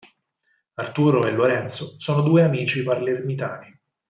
Arturo e Lorenzo sono due amici palermitani.